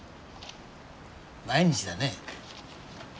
毎日だね。